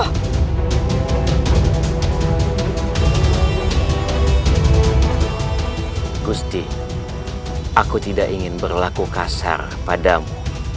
hai gusti aku tidak ingin berlaku kasar padamu